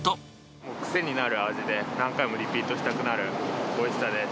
もう癖になる味で、何回もリピートしたくなるおいしさです。